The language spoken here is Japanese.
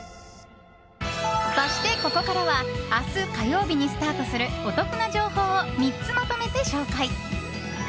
そして、ここからは明日火曜日にスタートするお得な情報を３つまとめて紹介！